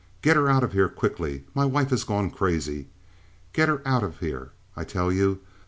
"Get her out of here quick! My wife has gone crazy. Get her out of here, I tell you!